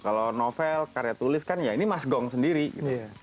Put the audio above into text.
kalau novel karya tulis kan ya ini mas gong sendiri gitu